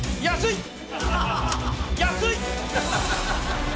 安い！